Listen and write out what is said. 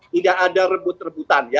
tidak ada rebut rebutan ya